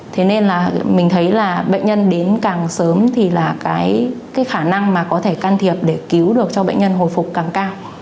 thế nên là mình thấy là bệnh nhân đến càng sớm thì là cái khả năng mà có thể can thiệp để cứu được cho bệnh nhân hồi phục càng cao